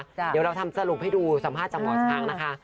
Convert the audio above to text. เดี๋ยวเราทำสรุปให้ดูสัมภาษณ์จากหมอช้างนะคะ